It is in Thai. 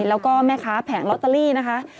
แล้วก็แม่ค้าแผงลอตเตอรี่นะคะ